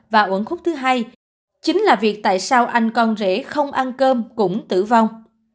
và ổn khúc thứ hai chính là việc tại sao anh con rể không ăn cơm cũng tử vong